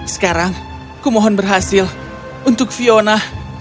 sekarang kumohon berhasil untuk fiona